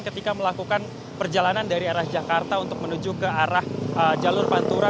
ketika melakukan perjalanan dari arah jakarta untuk menuju ke arah jalur pantura